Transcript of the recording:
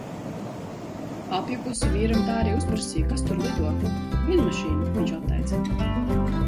Apjukusi vīram tā arī uzprasīju: "Kas tur lido?" "Lidmašīna," viņš atteica.